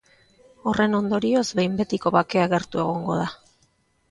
Horren ondorioz, behin betiko bakea gertu egongo da.